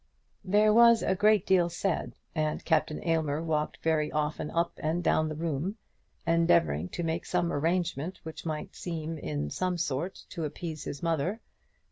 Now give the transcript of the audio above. There was a great deal said, and Captain Aylmer walked very often up and down the room, endeavouring to make some arrangement which might seem in some sort to appease his mother.